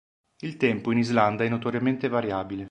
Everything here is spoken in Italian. Il tempo in Islanda è notoriamente variabile.